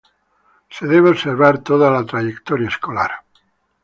Se debe observar toda la trayectoria escolar.